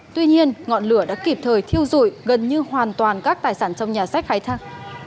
tuy nhiên ngọn lửa đã kịp thời thiêu dụi gần như hoàn toàn các tài sản trong nhà sách khai thác